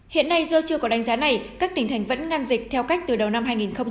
hiện nay do chưa có đánh giá này các tỉnh thành vẫn ngăn dịch theo cách từ đầu năm hai nghìn hai mươi